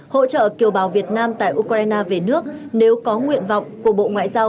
hỗ trợ kiều bào việt nam tại ukraine về nước nếu có nguyện vọng của bộ ngoại giao